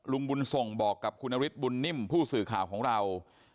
ลุงบุญส่งบอกกับคุณนฤทธบุญนิ่มผู้สื่อข่าวของเรา